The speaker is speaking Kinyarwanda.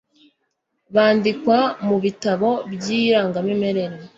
bandikwa mu ibitabo by irangamimerere